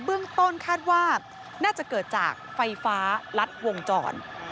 เบื้องต้นคาดว่าน่าจะเกิดจากไฟฟ้ารัดวงจร